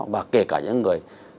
và kể cả những người